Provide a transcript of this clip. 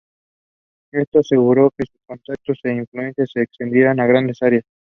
Esto aseguró que sus contactos e influencia se extendieran a grandes áreas.